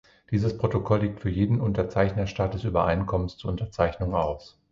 Dieses Protokoll liegt für jeden Unterzeichnerstaat des Übereinkommens zur Unterzeichnung auf.